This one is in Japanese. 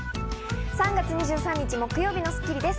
３月２３日、木曜日の『スッキリ』です。